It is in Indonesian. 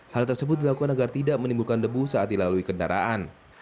hal tersebut dilakukan agar tidak menimbulkan debu saat dilalui kendaraan